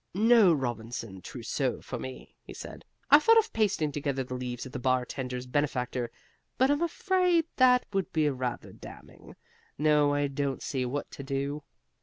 "No Robinson trousseau for me," he said. "I thought of pasting together the leaves of The Bartender's Benefactor, but I'm afraid that would be rather damning. No, I don't see what to do."